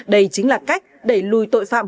đây chính là cách đẩy lùi tội phạm